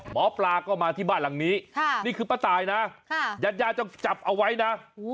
หมอปลาก็มาที่บ้านหลังนี้นี่คือป้าตายนะญาติญาติต้องจับเอาไว้นะ